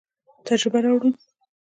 تجربه راوړو.